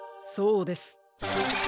そうです。